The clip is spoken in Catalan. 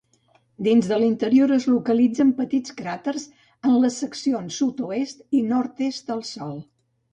Dins de l'interior es localitzen petits cràters en les seccions sud-oest i nord-est del sòl.